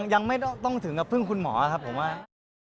ยังไม่ต้องถึงกับพึ่งคุณหมอครับผมว่า